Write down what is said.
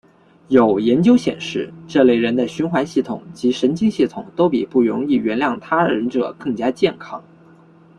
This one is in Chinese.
有研究显示这类人的循环系统及神经系统都比不容易原谅他人者更加健康。